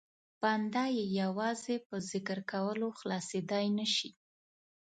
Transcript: بنده یې یوازې په ذکر کولو خلاصېدای نه شي.